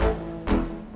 kamu mau ke rumah